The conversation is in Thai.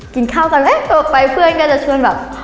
กินข้าวกันเอ๊ะไปเพื่อนก็จะช่วงแบบ